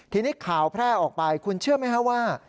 ทีนี้ข่าวแพร่ออกไปคุณเชื่อไหมครับว่า